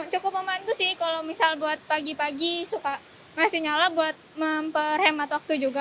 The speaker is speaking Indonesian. cukup membantu sih kalau misal buat pagi pagi suka masih nyala buat memperhemat waktu juga